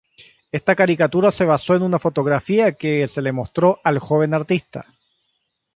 Esta caricatura se basó en una fotografía que se le mostró al joven artista.